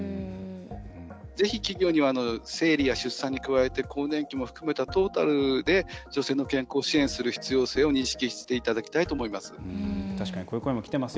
ぜひ企業には生理や出産に加えて更年期も含めた、トータルで女性の健康を支援する必要性を認識していただきたいと思います。